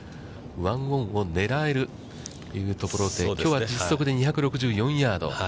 ワンオンを狙えるというところで、きょうは実測で２６４ヤード。